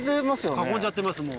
囲んじゃってます。